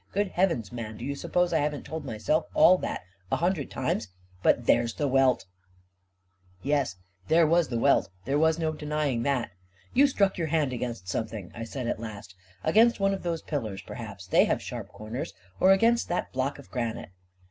"Good heavens, man, do you suppose I haven't told myself all that a hundred times ! But there's the welt !" Yes, there was the welt; there was no denying that! "You struck your hand against something," I said at last; " against one of those pillars, perhaps — they have sharp corners — or against that block of granite."